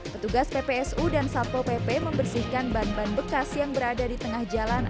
petugas ppsu dan satpol pp membersihkan ban ban bekas yang berada di tengah jalan